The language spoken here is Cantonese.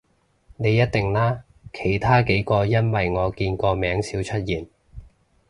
你一定啦，其他幾個因爲我見個名少出現